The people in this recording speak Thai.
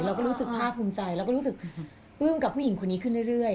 เราก็รู้สึกภาคภูมิใจแล้วก็รู้สึกอึ้งกับผู้หญิงคนนี้ขึ้นเรื่อย